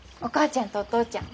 ちゃんとお父ちゃん